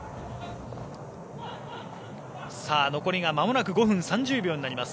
残りがまもなく５分３０秒になります